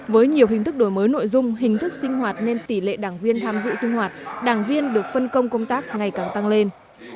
với nhiều hình thức đổi mới nội dung hình thức sinh hoạt nên tỷ lệ đảng viên tham dự sinh hoạt đảng viên được phân công công tác ngày càng tăng lên